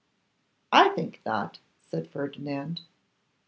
'I think not,' said Ferdinand.